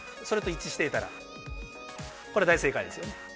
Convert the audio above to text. それと一致していたらこれは大正解ですよね。